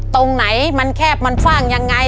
ตรงไหนมันแคบมันฟ่างยังไง